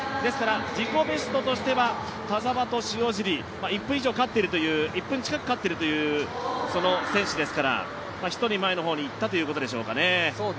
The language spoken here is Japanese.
自己ベストとしては田澤と塩尻１分近く勝っているという選手ですから、１人前の方に行ったということですかね。